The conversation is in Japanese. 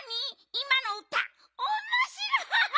いまのうたおもしろい！